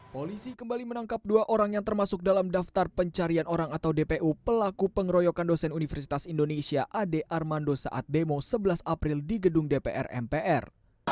polisi kembali menangkap dua orang yang termasuk dalam daftar pencarian orang atau dpu pelaku pengeroyokan dosen universitas indonesia ade armando saat demo sebelas april di gedung dpr mpr